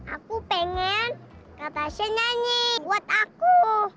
aku pengen kak tasya nyanyi buat aku